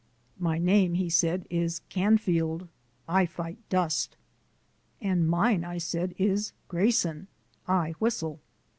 "My name," he said, "is Canfield. I fight dust." "And mine," I said, "is Grayson. I whistle."